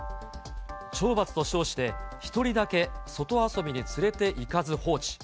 懲罰と称して、１人だけ外遊びに連れていかず放置。